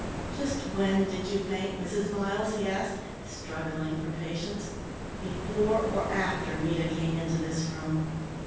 "Just when did you faint, Mrs. Miles?" he asked, struggling for patience. "Before or after Nita came into this room?"